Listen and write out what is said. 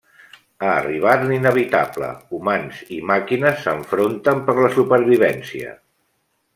Ha arribat l'inevitable: humans i màquines s'enfronten per la supervivència.